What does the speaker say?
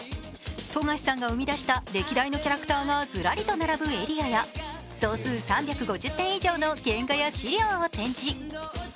冨樫さんが生み出した歴代のキャラクターがずらりと並ぶエリアや総数３５０点以上の原画や資料を展示。